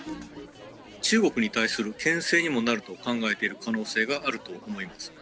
中国に対するけん制にもなると考えている可能性があると思います。